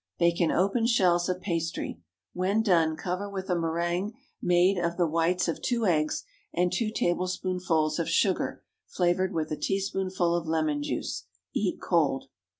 Bake in open shells of pastry. When done, cover with a méringue made of the whites of two eggs and two tablespoonfuls of sugar flavored with a teaspoonful of lemon juice. Eat cold.